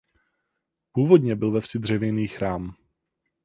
Původně byl ve vsi dřevěný chrám.